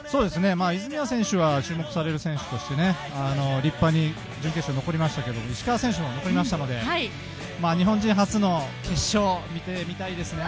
泉谷選手は、注目される選手としては立派に準決勝残りましたけど石川選手も残りましたので日本人初の決勝、見てみたいですね。